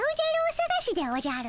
さがしでおじゃる。